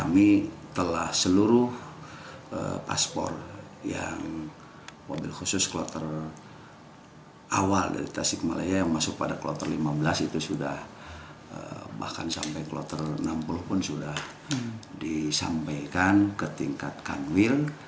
masuk pada kloter lima belas itu sudah bahkan sampai kloter enam puluh pun sudah disampaikan ke tingkat kanwil